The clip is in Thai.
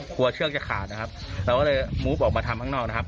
เชือกจะขาดนะครับเราก็เลยมูฟออกมาทำข้างนอกนะครับ